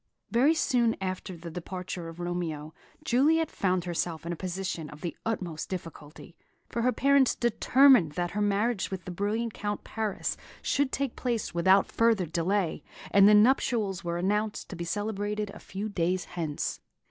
Very soon after the departure of Romeo, Juliet found herself in a position of the utmost difficulty; for her parents determined that her marriage with the brilliant young Count Paris should take place without further delay, and the nuptials were announced to be celebrated a few days hence.